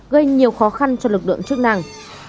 gây nhiều khó khăn cho lực lượng chức năng